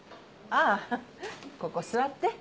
あぁここ座って。